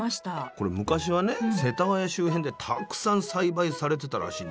これ昔はね世田谷周辺でたくさん栽培されてたらしいんですよ。